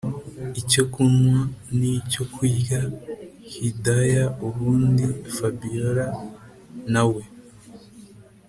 icyokunwa nicyo kurya hidaya ubundi fabiora nawe